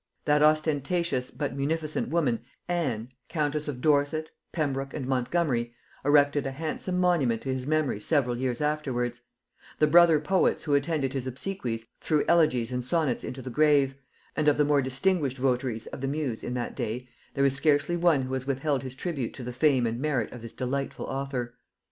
That ostentatious but munificent woman Anne countess of Dorset, Pembroke, and Montgomery, erected a handsome monument to his memory several years afterwards; the brother poets who attended his obsequies threw elegies and sonnets into the grave; and of the more distinguished votaries of the muse in that day there is scarcely one who has withheld his tribute to the fame and merit of this delightful author.